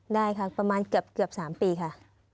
ได้ค่ะประมาณเกือบ๓ปีค่ะ